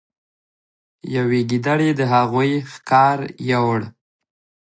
یوې ګیدړې د هغوی ښکار یووړ.